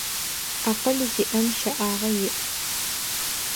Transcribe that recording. Акъыл зиIэм щэIагъэ иI.